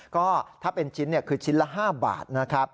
ก็ถ้าเป็นชิ้นคือชิ้นละ๕บาทนะครับ